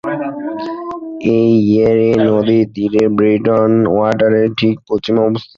এটি ইয়েরে নদীর তীরে ব্রেডন ওয়াটারের ঠিক পশ্চিমে অবস্থিত।